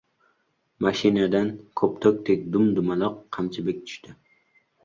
Mashinadan koptokdek dum-dumaloq Qamchibek tushdi.